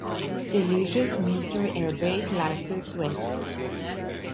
The Eleusis Military Airbase lies to its west.